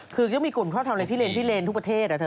คือยังมีกลุ่มครอบครัวทำอะไรพี่เรนทุกประเทศ